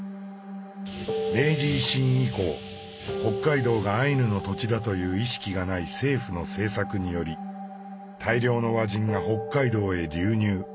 明治維新以降北海道がアイヌの土地だという意識がない政府の政策により大量の和人が北海道へ流入。